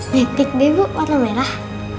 metik deh bu warna merah